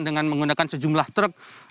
dengan menggunakan sejumlah truk